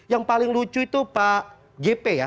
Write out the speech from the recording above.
yang paling lucu itu pak jp ya